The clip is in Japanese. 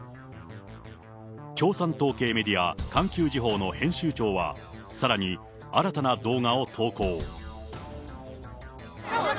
共産党系メディア、環球時報の編集長は、さらに新たな動画を投稿。